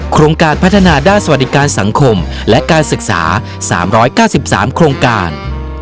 โครงการพัฒนาด้านสวัสดิการสังคมและการศึกษา๓๙๓โครงการ